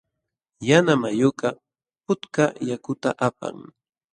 Yanamayukaq putka yakuta apan.